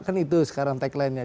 kan itu sekarang tagline nya